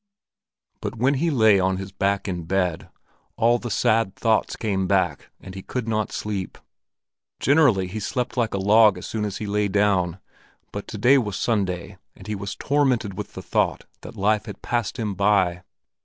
But when he lay on his back in bed, all the sad thoughts came back and he could not sleep. Generally he slept like a log as soon as he lay down, but to day was Sunday, and he was tormented with the thought that life had passed him by.